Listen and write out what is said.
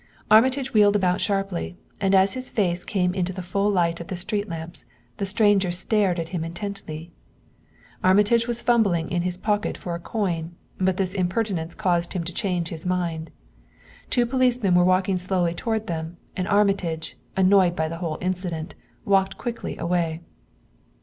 Armitage wheeled about sharply, and as his face came into the full light of the street lamps the stranger stared at him intently. Armitage was fumbling in his pocket for a coin, but this impertinence caused him to change his mind. Two policemen were walking slowly toward them, and Armitage, annoyed by the whole incident, walked quickly away.